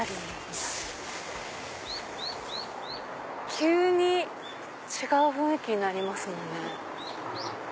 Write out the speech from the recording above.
急に違う雰囲気になりますね。